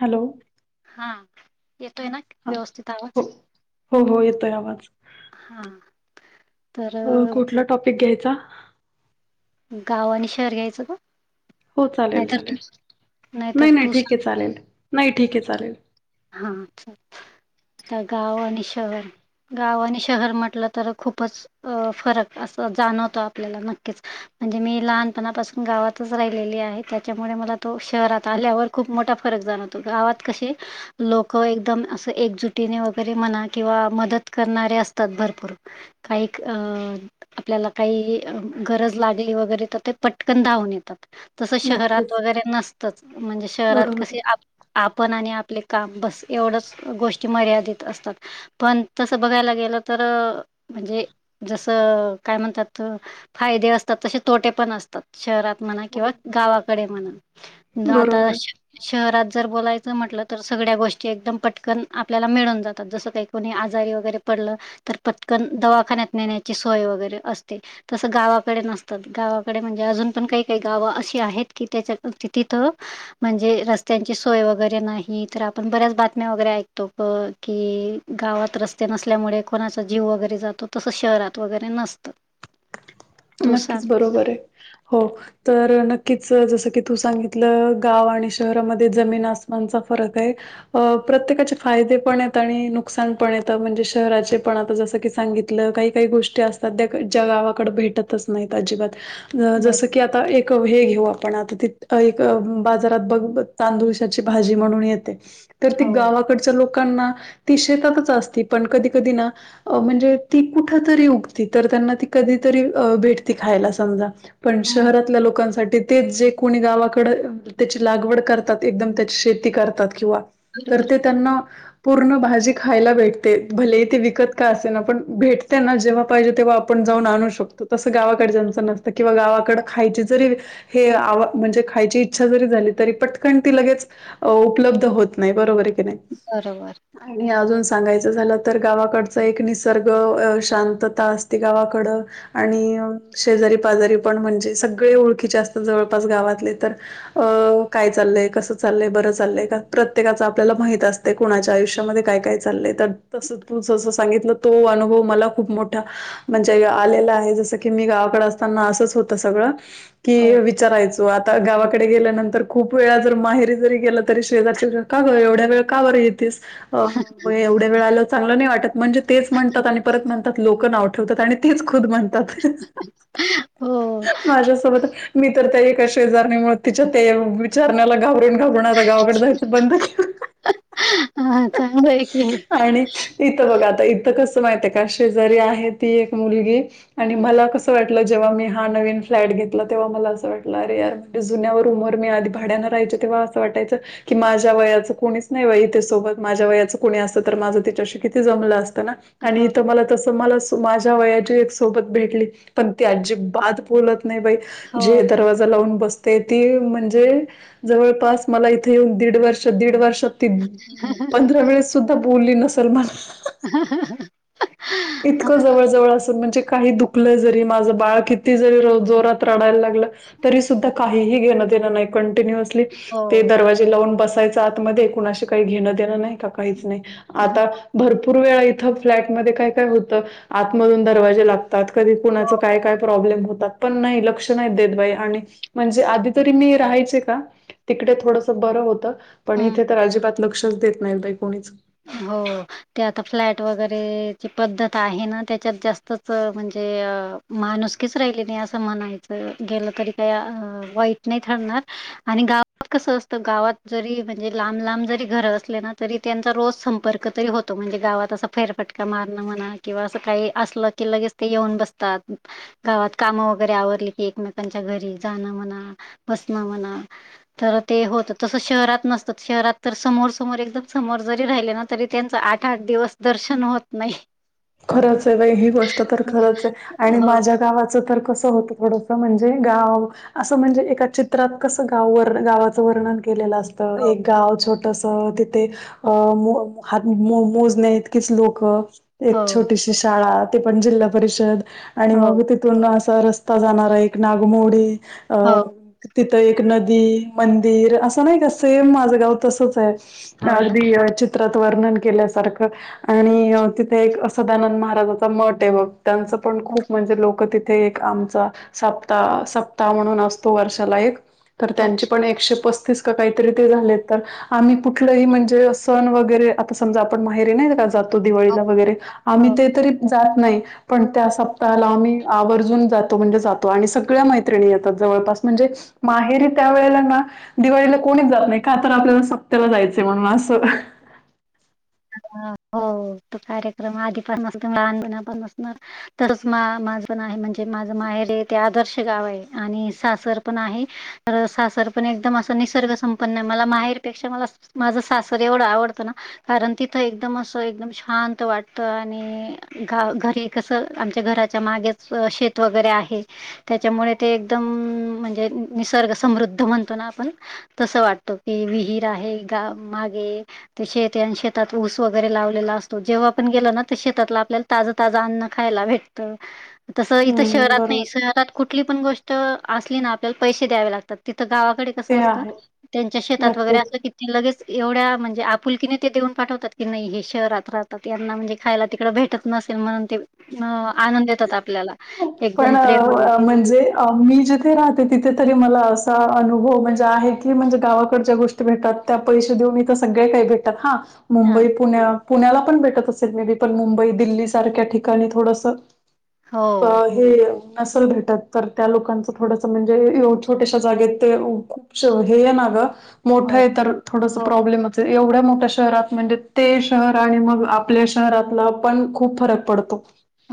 Hello! हा, येतोय ना? हं, व्यवस्थित आवाज हो हो हो, येतोय आवाज. हा तर अ कुठला टॉपिक घ्यायचा? गाव आणि शहर घ्यायचं का? हो चालेल नाहीतर तू चालेल, नाहीतर नाही नाही तू ठीक सांग आहे चालेल, नाही ठीक आहे चालेल हा आता गाव आणि शहर गाव आणि शहर म्हटलं तर खूपच अ फरक असं जाणवतो आपल्याला नक्कीच म्हणजे मी लहानपणापासून गावातच राहिलेली आहे त्याच्यामुळे मला तो शहरात आल्यावर खूप मोठा फरक जाण होता गावात कशी लोक एकदम असं एकजुटीने वगैरे म्हणा किंवा मदत करणारे असतात भरपूर काही अ आपल्याला काही गरज लागली वगैरे तर ते पटकन धावून येतात. तसं शहरात नक्कीच वगैरे नसतंच म्हणजे शहरात बरोबर कस आहे आपण आणि आपले काम बस एवढंच गोष्टी मर्यादित असतात. पण तसं बघायला गेलं तर म्हणजे जसं काय म्हणतात फायदे असतात तसे तोटे पण असतात शहरात म्हणा हो, किंवा गावाकडे म्हणा बरोबर आता आहे शहरात जर बोलायचं म्हटलं तर सगळ्या गोष्टी एकदम पटकन आपल्याला मिळून जातात जसं काही कोणी आजारी वगैरे पडलं तर पटकन दवाखान्यात नेण्याची सोय वगैरे असते. तसं गावाकडे नसतात गावाकडे म्हणजे अजून पण काही काही गावं अशी आहेत की त्याच्या तिथं म्हणजे रस्त्यां ची सोय वगैरे नाही तर आपण बऱ्याच बातम्या वगैरे ऐकतो प की गावात रस्ते नसल्यामुळे कोणाचा जीव वगैरे जातो तसं शहरात वगैरे नसतं तू नक्कीच सांग बरोबर आहे, हो तर नक्कीच जसं की तू सांगितलं गाव आणि शहरामध्ये जमीन आसमानचा फरक आहे. अ प्रत्येकाचे फायदे पण येत आणि नुकसान पण येत म्हणजे शहराचे पण आता जस की सांगितलं काही काही गोष्टी असतात त्या ज्या गावाकडे भेटत नाही अजिबात बर जस की आता हे घेऊ आपण आता त एक बाजारात बघ तांदुळची भाजी म्हणून येते तर ती हो गावाकडच्या लोकांना ती शेतातच असती पण कधी कधी ना अ म्हणजे ती कुठ तरी उगते तर त्यांना ती कधीतरी भेटती खायला समजा पण हो शहरातल्या लोकांसाठी तेच जे कोणी गावाकड त्याची लागवड करतात एकदम त्याची शेती करतात किंवा तर ते बरोबर त्यांना पूर्ण भाजी खायला भेटते भले इथे विकत काय असे ना पण भेटते ना जेव्हा पाहिजे तेव्हा आपण जाऊन आणू शकतो तसं गावाकडे जचं नसतं किंवा गावाकड खायची जरी हे आवा म्हणजे खायची इच्छा जरी झाली तरी पटकन ती लगेच अ उपलब्ध होत नाही बरोबर आहे की नाही. बरोबर. आणि अजून सांगायचं झालं तर गावाकडच एक निसर्ग शांतता असते गावाकड. आणि शेजारी पाजारी पण म्हणजे सगळे ओळखीचे असतात जवळपास गावातले तर अ काय चाललंय कस चालय बरं चालय का प्रत्येकाच आपल्याला माहित असतं. ते कोुणाच्या आयुष्यामध्ये काय काय चाललंय तर तस तू जस सांगितलं तो अनुभव मला खूप मोठा म्हणजे आलेलं आहे जस की मी गावाकडे असताना असंच होत सगळं की हो विचारायचं. तो आता गावाकडे गेल्यानंतर खूप वेळा जर माहेरी जरी गेला तरी शेजारच्या का ग एवढ्या वेळ. का बर येतीस एवढे वेळ आ चांगलं नाही वाटत म्हणजे तेच म्हणतात. लोक नाव ठेवतात आणि तेच खुद म्हणतात हो माझ्यासोबत. मी तर त्या एकाश जाण्यामुळे तिच्या त्या विचारण्याला घाबरून. घाबरून आणि आता गावाकडे जायचं बंद केलं हां, चांगलं आहे की. आणि. इथं बघ आता इथं कसं माहित आहे का शेजारी आहे ती एक मुलगी आणि हो, मला कसं वाटत जेव्हा मी हा नवीन फ्लॅट घेतला तेव्हा मला असं वाटलं अरे यार जुन्यावर वर मी आले भाड्याना राहायचो तेव्हा वाटायचं कि माझ्या वयाचं कोणीच नाही बाई इथे सोबत माझ्या वयाचं कोणी असत तर माझं तिच्याशी किती जमलं असतं ना. आणि तुम्हाला तस [unintelligible] माझ्या वयाचीच सोबत भेटली पण ती आजीबात बोलत नाही बाई जे हो. दरवाजा लावून बस ते ती म्हणजे जवळपास मला इथे येऊन दीड वर्ष दीड वर्षात ती पंधरा वेळेस सुद्धा बोली नसेल मला. हा हा हा इतकं जवळ जवळ असून म्हणजे काही दुखलं जरी माझं बाळ किती जरी जोरात रडायला लागलं तरी सुद्धा काहीही घेणं दे नाही कंटिन्युअस ते हो. दरवाजे लावून बसायच आतमध्ये कुणाशी काही घेणं देणं नाही का काहीच नाही. आता भरपूर वेळा इथं फ्लॅटमध्ये काय काय होतं. आतमधून दरवाजे लागतात कधी कुणाचं काय काय प्रॉब्लेम होतात, पण नाही लक्ष नाही देत बाई आणि म्हणजे आधी तरी मी राहायचे का, तिकडे थोडस बरं होतं. पण हं. इथे तर अजिबात लक्षच देत नाहीत बाई कोणीच. हो. ते आता फ्लॅट वगैरेची पद्धत आहे ना त्याच्यात जास्तच म्हणजे माणुसकीच राहिले नाही असं म्हणायचं गेलं तरी काही अ वाईट नाही ठरणार आणि गावात कसं असतं, गावात जरी म्हणजे लांब लांब जरी घर असले ना तरी त्यांचा रोज संपर्क तरी होतो म्हणजे गावात अस फेरफटका मारण म्हणा किंवा अस काही असलं की लगेच. ते येऊन बसतात. गावात कामं वगैरे आवरली की एकमेकांच्या घरी जाणं म्हणा बसणं म्हणा तर ते होत तसं शहरात नसतं शहरात तर समोर समोर एकदम समोर जरी ते राहिलेना तरी त्यांचं आठ आठ दिवस दर्शन होत नाही खरंच आहे बाई ही गोष्ट तर खरंच आहे, आणि हो, माझ्या गावाचं तर कसं होतं थोडस म्हणजे गाव, असं म्हणजे एका चित्रात कसं गाव व गावाचं वर्णन केलेलं असत हो, एक गाव छोट तस तिथे अ हात मोजणे इतकीच लोक एक हो, छोटीशी शाळा, ती पण जिल्हा परिषद आणि हो, मग तिथून असा रस्ता जाणारा एक नागमोडी अ हो, तिथं एक नदी मंदिर असं नाही का, सेम माझं गाव तसच आहे. हो ना. अगदी चित्रात वर्णन केल्यासारखं आणि तिथे सदानंद महाराजाचा मट आहे बघ, त्यांचं पण हो, खूप म्हणजे लोक तिथे ते एक आमचा सप्ताह सप्ताह म्हणून असतो वर्षाला एक तर त्यांची अच्छा. पण एकशे पस्तीस का काहीतरी ते झालेत तर आम्ही कुठलंही म्हणजे सण वगैरे, आता समजा आपण माहेरी नाही का जातो दिव वगैरे हो. आम्ही ते तरी जात नाही. पण त्या सप्ताहाला आम्ही आवर्जून जातो म्हणजे जातो आणि सगळ्या मैत्रिणी येतात जवळपास म्हणजे माहेरी त्या वेळेला ना दिवाळीला कोणीच जात नाही, का तर आपल्याला सप्त्याला जायचं म्हणून असं. हो तो कार्यक्रम आधी पण अस लहानपणा पण असणार तसच मा माझं माहेर म्हणजे माझं माहेर हे ते आदर्श गाव आहे आणि सासर पण आहे माझं सासर पण एकदम अस निसर्ग संपन्न आहे मला माहेरपेक्षा मला माझं सासर एवढं आवडतं ना. कारण तिथं एकदम असं एकदम शांत वाटत. आणि गा घरी कस, आमच्या घराच्या मागेच शेत वगैरे आहे. त्याच्यामुळे ते एकदम म्हणजे निसर्ग समृद्ध म्हणतो ना आपण. तस वाटत. ती विहीर आहे ग मागे. ते शेत आणि शेतात ऊस वगैरे लावलेला असतो. जेव्हा पण गेलो ना. तर शेतातल आपल्याला ताज-ताज अन्न खायला भेट त. तसं इथं हम्म शहरात नाही. बरोबर शहरात कुठली पण गोष्ट असली ना आपल्याला पैसे द्यावे लागतात. तिथं गावाकडे ते कसं असत. आहे त्यांच्या शेतात वगैरे नक्कीच. असल की लगेच एवढ्या म्हणजे आपुलकीने ते देऊन पाठवतात. की नाही हे शहरात राहतात. यांना म्हणजे खायला तिकड भेटत नसेल. म्हणून ते अं आनून देतात आपल्याला. एकदम प्रेमनी. जे अ मी जिथे राहते. तिथे तरी मला असा अनुभव म्हणजे आहे की, म्हणजे गावाकडच्या गोष्टी भेटतात. त्या पैसे देऊ इथ सगळे काही भेटतात. हा हा मुंबई पुण्या-पुण्याला पण भेटत असेल मे बी. पण मुंबई दिल्ली सारख्या ठिकाणी थोडस हो अ हे नसल भेटत तर, त्या लोकांचं थोडस म्हणजे छोट्याश्या जागेत ते सो हेये ना ग. हो मोठंय तर थोडस हो प्रॉब्लेमचे. एवढ्या मोठ्या शहरात म्हणजे ते शहर आणि मग आपल्या शहरातला पण खूप फरक पडतो.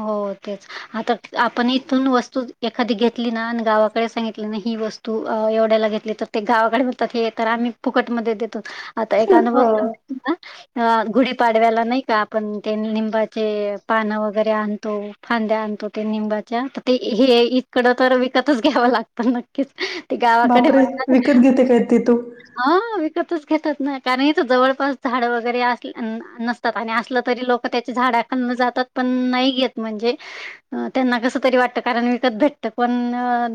हो तेच. आता आपण इथून वस्तू एखादी घेतली ना. अन गावाकडे सांगितली ना ही वस्तू तू एवढ्याला घेतली तर, ते गावाकडे म्हणतात हे तर आम्ही फुकटमध्ये देतो. आता एका अनुभव अ, सांगते तुला. अ गुढी पाडव्याला नाही का, आपण ते लिंबाचे पानं वग गैरे आणतो. फांद्या आणतो ते निंबाच्या. तर ते हे इतकड तर विकतच घ्याव लागत. तर नक्कीच ते गावाकडे बापरे! बोलताना, विकत घेते काय ती तू? हा विकतच घेतात ना. कारण इथ जवळपास झाड वगैरे अस नस तात. आणि असलं तरी लोक त्याची झाडाखालून जातात. पण नाही घेत. म्हणजे अ त्यांना कस तरी वाटत. कारण विकत भेटत. कोण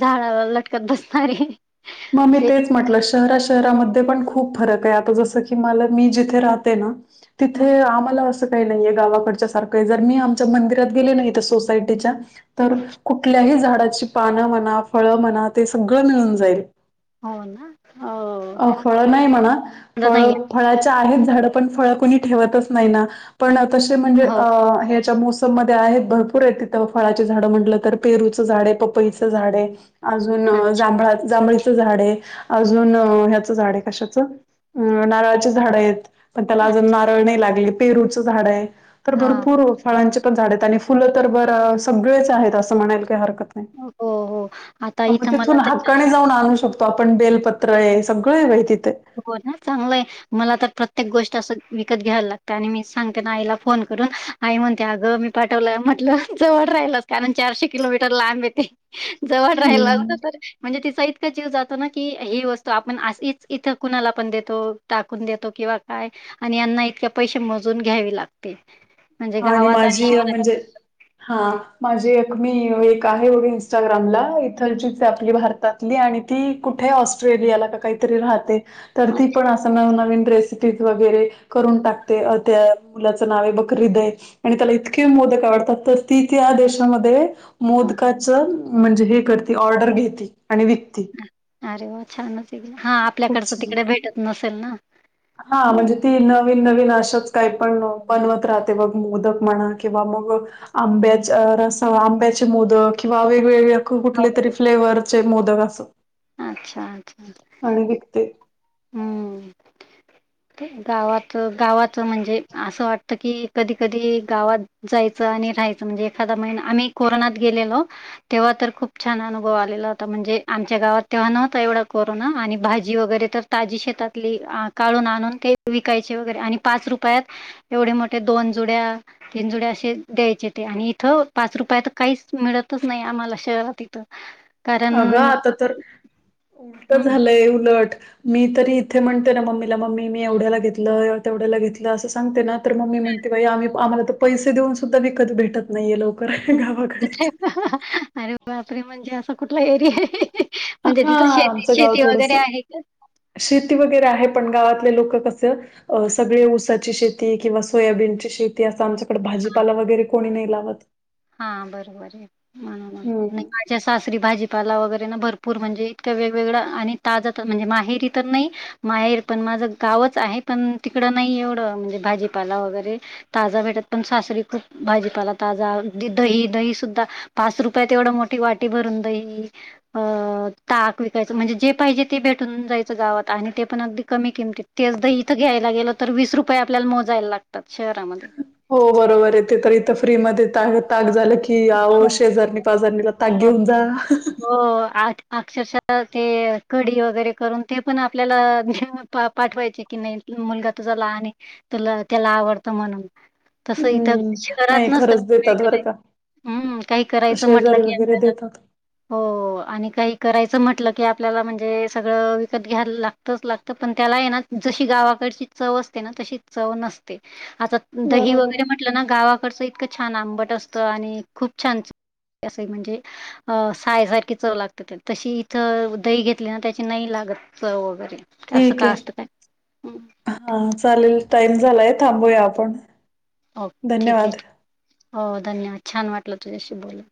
झाडला लटकत बसणारे. म मी ते तेच म्हटलं. शहरा-शहरामध्ये पण खूप फरके. आता जस की मला मी जिथे राहते ना, तिथे आम्हाला अस काही नाहीय. गावाकडच्या सारखंय. जर मी आमच्या मंदिरात गेली ना इथं सोसायटीच्या तर कुठल्याही झाडाची पानं म्हणा, फळं म्हणा. ते सगळं मिळून जाईल. हो ना. अ हो फळ नाही म्हणा. फळ नाही फळाच्या आहेत झाडं. पण फळं कुणी ठेवतच नाही ना. पण तसे म्हणजे हो ह्याच्या मोस सम मध्ये आहेत. भरपूरे तिथं. फळाची झाड म्हटलं तर, पेरूचं झाडे. पपईचं झाडे. अजून अच्छा जांभळा जांभळीचं झाडे. अजून ह्याचं झाडे. कशाचं? अ नारळाची झाडयेत. पण त्याला अजून नारळ नाही लागले. पेरूचं झाडे. तर हा भरपूर फळांचे पण झाडयेत. आणि फुलं तर बरं सगळेच आहेत. असं म्हणाल काय हरकत नाही. हो हो आता ह म इथं मला तिथून तर हक्काने जाऊन आणू शकतो आपण. बेलपत्रय. सगळंय बाई तिथे. हो ना चांगलंय. मला तर प्रत्येक गोष्ट अस विकत घ्यायला लागत. आणि मी सांगते ना आईला फोन करून, आई म्हणते अगं मी पाठवलं, म्हटलं जवळ राहिल. कारण चारशे किलोमीटर लांबे ते. जवळ राहिला असतं हम्म तर म्हणजे तिचा इतका जीव जातो ना की ही वस्तू आपण अशीच - इथं कुणाला पण देतो टाकून देतो किंवा काय? आणि ह्यांना इतक्या पैसे मोजून घ्यावे लागते. म्हणजे आणि गावात माझी शहरात म्हणजे हा माझी एक मी एक आहे बघ इंस्टाग्रामला इकडचीच ये आपली भारतात- ती आणि ती कुठे ऑस्ट्रेलियाला का काहीतरी राहते. तर ती पण असं नवनवीन रेसिपीज वगैरे करून टाकते अ त्या मुलाच नाव ये बघ. [unintelligible] आणि त्याला इतके मोदक आवडतात तर ती त्या देशामध्ये - अच्छा. मोदकाच म्हणजे हे करती ऑर्डर घेती आणि विक- अरे वा छानच ये की हा आपल्याकडचं तिकडे भेटत नसेल ना. हा म्हणजे म्हणून. ती नवीन नवीन असच काही पण बनवत राहते बघ मोदक म्हणा किंवा मग आंब्याचा रस आंब्याचे मोदक किंवा वेगवेगळे हो. कुठले तरी फ्लेवरचे मोदक अस अच्छा-अच्छा-अच्छा आणि विकते. हम्म गावात-गावात म्हणजे असं वाटतं की कधी-कधी गावात जायचं आणि राहायचं म्हणजे एखादा महिना आम्ही कोरोनात गेलेलो. तेव्हा तर खूप छान अनुभव आलेला होता म्हणजे आमच्या गावात तेव्हा नव्हता एवढा कोरोना आणि भाजी वगैरे तर ताजी शेतातली आ काढून आणून ते विकायचे वगैरे आणि पाच रुपयात एवढे मोठे दोन जुड्या तीन जुड्या असे द्यायचे ते आणि इथं पाच रुपयात काहीच मिळतच नाही आम्हाला शहरात इथं. ह अगं आता तर उलट हम्म झालंय उलट मी तरी इथे म्हणते ना मम्मीला मम्मी मी एवढ्याला घेतलं तेवढ्याला घेतलं असं सांगते ना तर मम्मी म्हणते बाई आम्ही आम्हाला तर पैसे देऊन सुद्धा विकत भेटत नाही ये लवकर गावाकड. अरे बापरे म्हणजे असा कुठला एरिया ये. म्हणजे हां, तिथं शेती आमचं गाव शेती वगैरे थोडंसं आहे का? शेती वगैरे आहे पण गावातले लोक कस अ सगळे ऊसाची शेती. ते किंवा सोयाबीनची शेती असं आमच्याकडे भाजीपाला वगैरे कोणी नाही लावत. हा बर बर आहे म्हण हं. [unintelligible] च्या सासरी भाजीपाला वगैरे ना भरपूर म्हणजे इतक वेगवेगळ आणि ताजा म्हणजे माहेरी तर नाही. माहेर पण माझं गावच आहे पण तिकडं नाही एवढं म्हणजे भाजीपाला वगैरे. ताजा भेटत पण सासरी खूप भाजीपाला ताजा- दही दही सुद्धा पाच रुपयात एवढं मोठी वाटी भरून दही अ ताक विकायचं म्हणजे जे पाहिजे ते भेटून जायचं गावात आणि ते पण अगदी कमी किंमतीत. तेच दही इथं घ्यायला गेलं तर वीस रुपये आपल्याला मोजायला लागतात शहरामध्ये. हो बरोबर ये ते तर इथं फ्री मध्ये ताज ताक झालं की अहो हो शेजारनी पाजारनी ला ताक हो घेऊन जा. हो आ अक्षरशः ते कढी वगैरे करून ते पण आपल्याला प पाठवायचे की नाही मुलगा तुझा लहान ऐ तुला त्याला आवडत म्हणून तस इथं हं. शहरात नाही नसत खरंच हाय देतात का बरं नाय हम्म काही करायचं म्हटलं की [unintelligible] आपल्याला देतात हो आणि काही करायचं म्हटलं की आपल्याला म्हणजे सगळं विकत घ्यायला लागत. तास लागत पण त्याला येना जशी गावाकडची चव असते ना तशी चव नसते आता दही बरोबर आहे. वगैरे म्हटलं ना गावाकडचं इतकं छान आंबट असतं आणि खूप छान चव असयं म्हणजे अ सायसारखी चव लागते तशी इथं दही घेतली ना त्याची नाही लागत चव वगैरे असं का असत काय माहित हा चालेल टाइम झालाय थांबूया आपण ठीक आहे धन्यवाद. हो धन्यवाद छान वाटलं तुझ्याशी बोलून